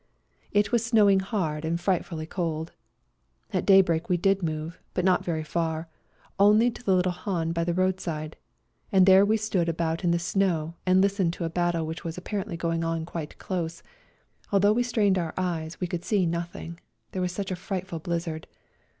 It was snowing hard and frightfully cold. At daybreak we did move, but not very far, only to the little hahn by the roadside ; and there we stood about in the snow and listened to a battle which was apparently 66 A RIDE TO KALABAC going on quite close ; although we strained our eyes we could see nothing — there was such a frightful blizzard.